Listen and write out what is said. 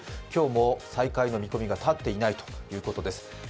今日も再開の見込みが立っていないということです。